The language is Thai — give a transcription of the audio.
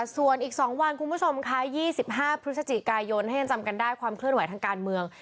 ส่วนอีก๒วันคุณผู้ชมค่ะ๒๕พฤศจิกายนถ้ายังจำกันได้ความเคลื่อนไหวทางการเมือง